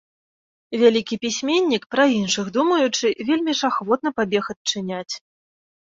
Вялікі пісьменнік, пра іншых думаючы, вельмі ж ахвотна пабег адчыняць.